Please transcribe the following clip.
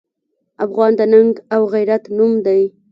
افغان د ننګ او غیرت نوم دی.